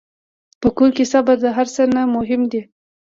په کور کې صبر د هر څه نه مهم دی.